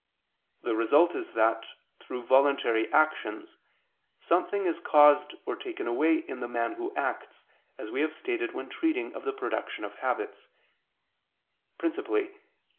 The result is that through voluntary actions something is caused or taken away in the man who acts, as we have stated when treating of the production of habits (Q.